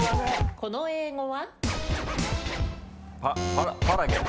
この英語は？